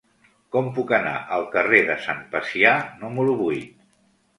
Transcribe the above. Com puc anar al carrer de Sant Pacià número vuit?